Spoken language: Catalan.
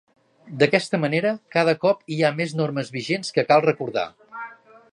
D'aquesta manera, cada cop hi ha més normes vigents que cal recordar.